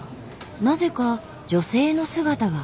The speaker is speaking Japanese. なぜか女性の姿が。